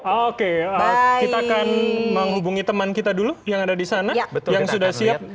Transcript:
oke kita akan menghubungi teman kita dulu yang ada di sana yang sudah siap